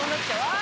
あ！